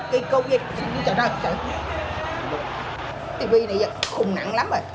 tivi này bây giờ khùng nặng lắm rồi